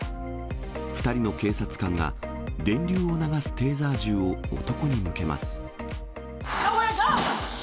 ２人の警察官が電流を流すテーザー銃を男に向けます。